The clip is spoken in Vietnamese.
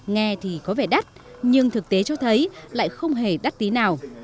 nghe thì có vẻ đắt nhưng thực tế cho thấy lại không hề đắt tí nào